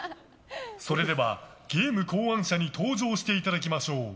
それでは、ゲーム考案者に登場していただきましょう。